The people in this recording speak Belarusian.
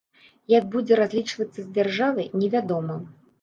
Як будзе разлічвацца з дзяржавай, не вядома.